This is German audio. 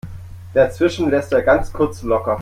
Dazwischen lässt er ganz kurz locker.